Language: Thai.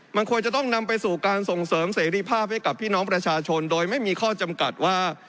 มันควรจะต้องนำไปสู่การส่งเสริมเสรีภาพให้กับพี่น้องประชาชนโดยไม่มีข้อจำกัดว่า